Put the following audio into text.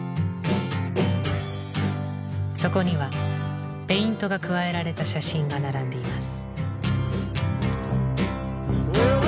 そこにはペイントが加えられた写真が並んでいます。